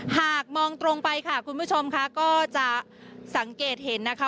หากมองตรงไปค่ะคุณผู้ชมค่ะก็จะสังเกตเห็นนะคะ